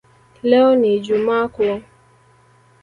Leo ni ijumaa kuu